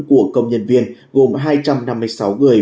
của công nhân viên gồm hai trăm năm mươi sáu người